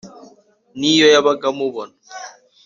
n’iyo yabaga amubona